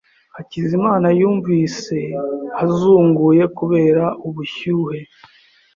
Hakizimana yumvise azunguye kubera ubushyuhe.